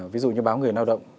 ví dụ như báo người lao động